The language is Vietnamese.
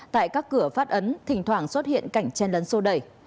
tại các cửa phát ấn thỉnh thoảng xuất hiện cảnh chen lấn sô đẩy